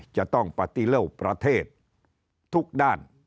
จะต้องปฏิเลิกประเทศทุกด้าน